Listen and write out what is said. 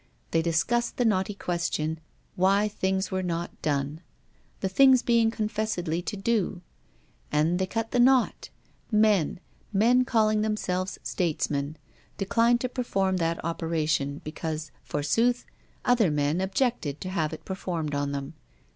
They discussed the knotty question, Why things were not done, the things being confessedly to do; and they cut the knot: Men, men calling themselves statesmen, declined to perform that operation, because, forsooth, other men objected to have it performed on them.